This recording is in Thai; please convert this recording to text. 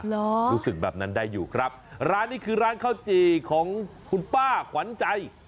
รู้สึกแบบนั้นได้อยู่ครับร้านนี้คือร้านข้าวจี่ของคุณป้าขวัญใจ